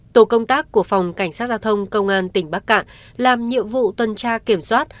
tổ công tác của phòng cảnh sát giao thông công an tỉnh bắc cạn làm nhiệm vụ tuần tra kiểm soát